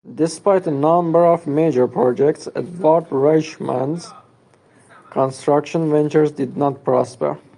Despite a number of major projects, Edward Reichmann's construction ventures did not prosper.